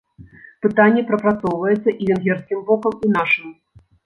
Пытанне прапрацоўваецца і венгерскім бокам, і нашым.